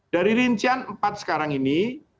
dari rincian empat sekarang ini